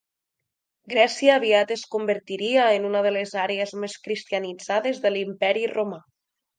Grècia aviat es convertiria en una de les àrees més cristianitzades de l'imperi romà.